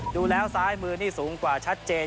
ดูแล้วซ้ายมือนี่สูงกว่าชัดเจน